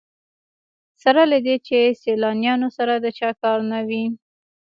سره له دې چې سیلانیانو سره د چا کار نه وي.